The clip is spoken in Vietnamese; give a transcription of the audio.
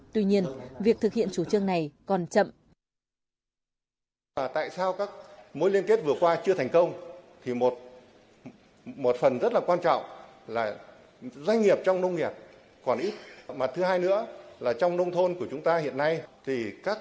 tuy nhiên việc thực hiện chủ trương này còn chậm